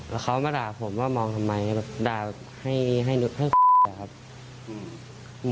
แล้วเขามาด่าผมว่ามองทำไมแบบด่าแบบให้ฟังอะครับ